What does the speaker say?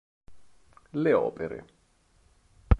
Le opere.